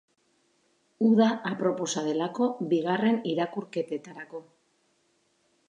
Uda aproposa delako bigarren irakurketetarako.